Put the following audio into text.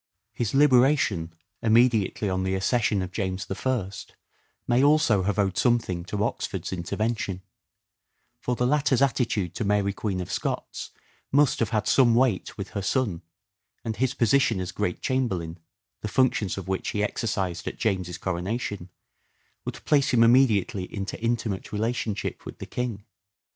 His liberation immediately on the accession of James I may also have owed something to Oxford's intervention ; for the latter's attitude to Mary Queen of Scots must have had some weight with her son, and his position as Great Chamberlain, the functions of which he exercised at James's coronation, would place him immediately into intimate relationship with the king.